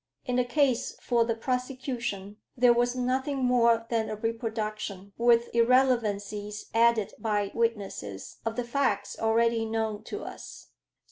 In the case for the prosecution there was nothing more than a reproduction, with irrelevancies added by witnesses, of the facts already known to us.